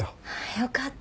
よかった。